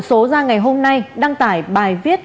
số ra ngày hôm nay đăng tải bài viết